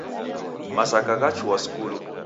Masaka ghachua skulu.